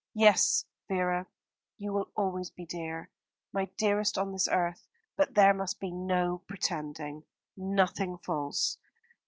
Yes, Vera, you will always be dear my dearest on this earth. But there must be no pretending, nothing false.